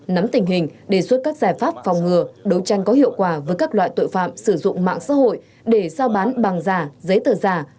nắm tình hình đề xuất các giải pháp phòng ngừa đấu tranh có hiệu quả với các loại tội phạm sử dụng mạng xã hội để giao bán bằng giả giấy tờ giả